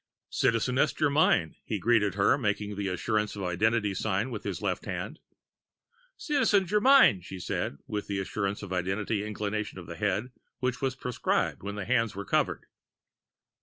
"Citizeness Germyn," he greeted her, making the assurance of identity sign with his left hand. "Citizen Germyn," she said, with the assurance of identity inclination of the head which was prescribed when the hands are covered.